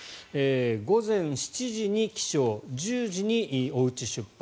午前７時に起床１０時におうち出発。